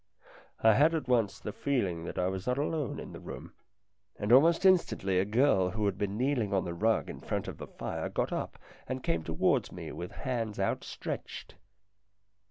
I had at once the feeling that I was not alone in the room, and almost instantly a girl who had been kneeling on the rug in front of the fire got up and came towards me with hands outstretched.